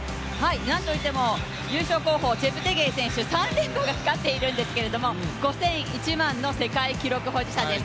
何といっても、優勝候補、チェプテゲイ選手、３連覇がかかってるんですけれども５０００ｍ、１００００ｍの世界記録保持者です。